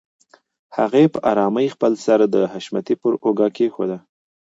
هغې په آرامۍ خپل سر د حشمتي پر اوږه کېښوده.